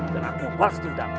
dan aku buang setidaknya